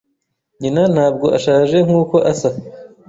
Nyina ntabwo ashaje nkuko asa.